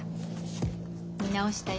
見直したよ。